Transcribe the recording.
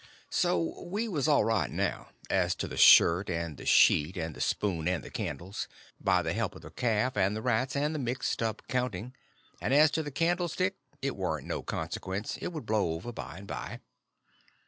So we was all right now, as to the shirt and the sheet and the spoon and the candles, by the help of the calf and the rats and the mixed up counting; and as to the candlestick, it warn't no consequence, it would blow over by and by.